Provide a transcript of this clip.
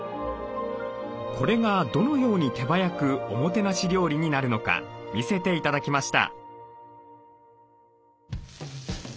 これがどのように手早くおもてなし料理になるのか見せて頂きました。